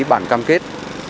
bản cam kết